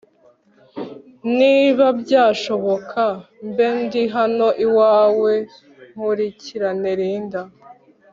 niba byashoboka mbe ndi hano iwawe nkurikirane Linda